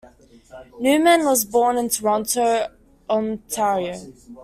Newman was born in Toronto, Ontario.